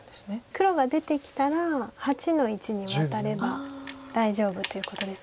黒が出てきたら８の一にワタれば大丈夫ということです。